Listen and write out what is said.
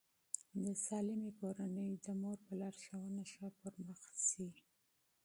د سالمې کورنۍ د مور په لارښوونه ښه پرمخ ځي.